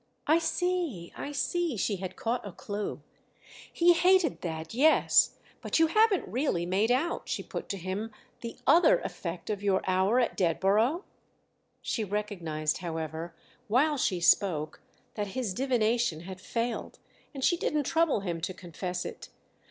"I see, I see"—she had caught a clue. "He hated that—yes; but you haven't really made out," she put to him, "the other effect of your hour at Dedborough?" She recognised, however, while she spoke, that his divination had failed, and she didn't trouble him to confess it.